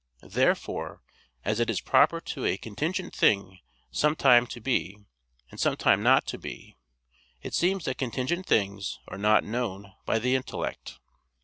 Therefore, as it is proper to a contingent thing sometime to be and sometime not to be, it seems that contingent things are not known by the intellect.